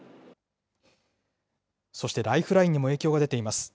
そしてライフラインにも影響が出ています。